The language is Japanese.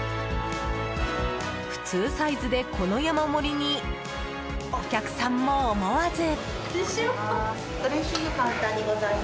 普通サイズでこの山盛りにお客さんも思わず。